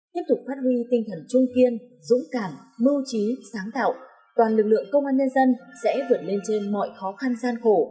tiếp tục phát huy tinh thần trung kiên dũng cảm mưu trí sáng tạo toàn lực lượng công an nhân dân sẽ vượt lên trên mọi khó khăn gian khổ